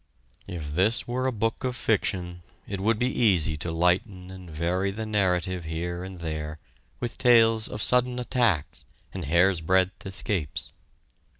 If this were a book of fiction, it would be easy to lighten and vary the narrative here and there with tales of sudden attacks and hair's breadth escapes.